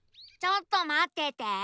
ちょっとまってて。